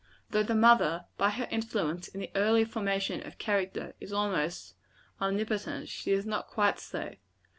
Though the mother, by her influence in the early formation of character, is almost omnipotent, she is not quite so.